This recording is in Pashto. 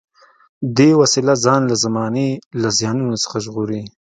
دې وسیله ځان له زمانې له زیانونو څخه ژغوري.